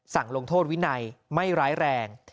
ลงโทษวินัยไม่ร้ายแรง